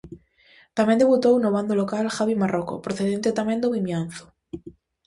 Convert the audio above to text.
Tamén debutou no bando local Javi Marroco, procedente tamén do Vimianzo.